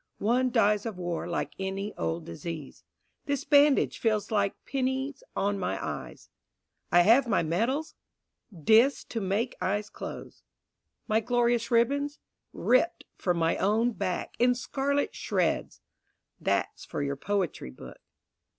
One dies of war like any old disease. This bandage feels like pennies on my eyes. I have my medals? Discs to make eyes close. My glorious ribbons? Ripped from my own back In scarlet shreds. (That's for your poetry book.)